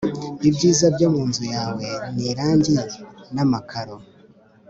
ibyiza byo mu nzu yawe ni irangi namakaro